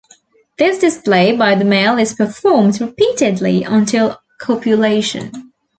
This display by the male is performed repeatedly until copulation.